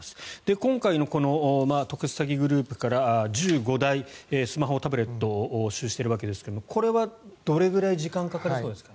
今回の特殊詐欺グループから１５台スマホ、タブレットを押収しているわけですがこれはどれぐらい時間がかかりそうですか。